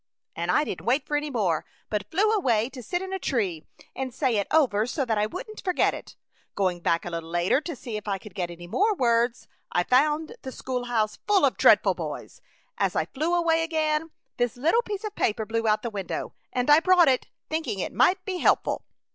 And I didn't wait for any more, but flew away to sit in a tree and say it over so that I wouldn't forget it. Going back a little later to see if I could get any more words, I found the schoolhouse full of dreadful boys. As I flew away again, this little piece of paper blew out of the window, and I brought it, thinking it might be helpful."